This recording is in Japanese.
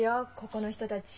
ここの人たち。